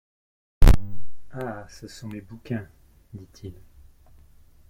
Ah, ce sont mes bouquins, dit-il.